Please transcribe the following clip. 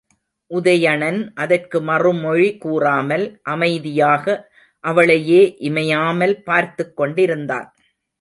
உதயணன் அதற்கு மறுமொழி கூறாமல் அமைதியாக அவளையே இமையாமல் பார்த்துக் கொண்டிருந்தான்.